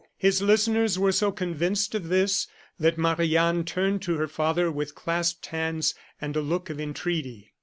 His listeners were so convinced of this, that Marie Anne turned to her father with clasped hands and a look of entreaty.